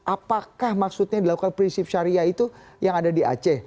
apakah maksudnya dilakukan prinsip syariah itu yang ada di aceh